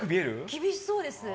厳しそうです。